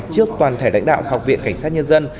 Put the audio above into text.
trước toàn thể lãnh đạo học viện cảnh sát nhân dân